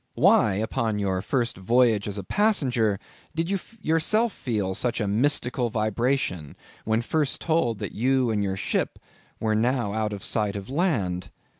Why upon your first voyage as a passenger, did you yourself feel such a mystical vibration, when first told that you and your ship were now out of sight of land?